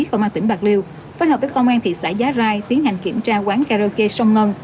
của ma tỉnh bạc điêu phát hợp với công an thị xã giá rai tiến hành kiểm tra quán karaoke sông ngân